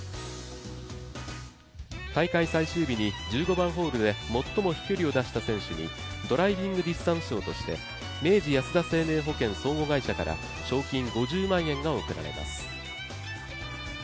大会最終日に１５番ホールで最も飛距離を出した選手に、ドライビングディスタンス賞として、明治安田生命保険相互会社から賞金５０万円が贈られます。